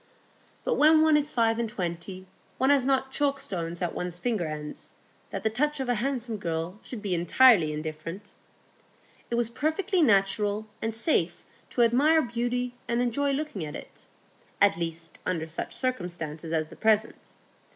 But when one is five and twenty, one has not chalk stones at one's finger ends that the touch of a handsome girl should be entirely indifferent. It was perfectly natural and safe to admire beauty and enjoy looking at it,—at least under such circumstances as the present.